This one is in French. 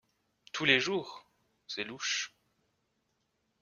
Tous les jours… c’est louche !